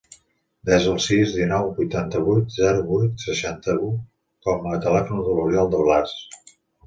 Desa el sis, dinou, vuitanta-vuit, zero, vuit, seixanta-u com a telèfon de l'Oriol De Blas.